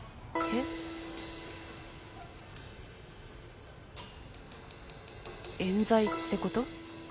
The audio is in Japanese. えん罪ってこと？